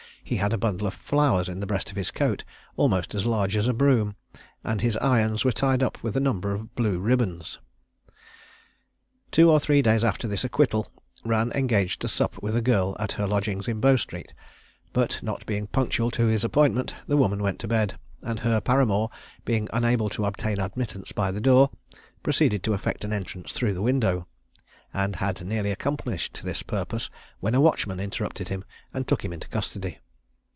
He had a bundle of flowers in the breast of his coat almost as large as a broom; and his irons were tied up with a number of blue ribands. Two or three days after this acquittal Rann engaged to sup with a girl at her lodgings in Bow Street; but not being punctual to his appointment, the woman went to bed, and her paramour being unable to obtain admittance by the door, proceeded to effect an entrance through the window; and had nearly accomplished his purpose, when a watchman interrupted him, and took him into custody.